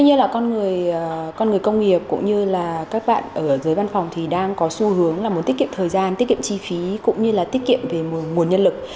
nhiều nhà cung cấp dưới văn phòng đang có xu hướng muốn tiết kiệm thời gian tiết kiệm chi phí cũng như là tiết kiệm về nguồn nhân lực